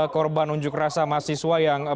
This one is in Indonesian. korban unjuk rasa mahasiswa yang